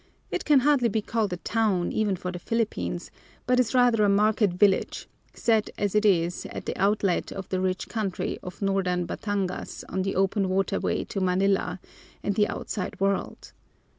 It can hardly be called a town, even for the Philippines, but is rather a market village, set as it is at the outlet of the rich country of northern Batangas on the open waterway to Manila and the outside world.